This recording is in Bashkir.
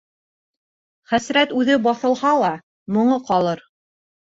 Хәсрәт үҙе баҫылһа ла, моңо ҡалыр.